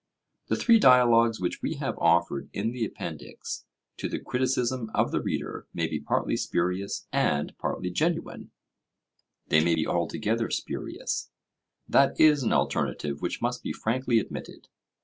The three dialogues which we have offered in the Appendix to the criticism of the reader may be partly spurious and partly genuine; they may be altogether spurious; that is an alternative which must be frankly admitted.